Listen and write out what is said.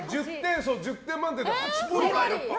１０点満点で８ポイント。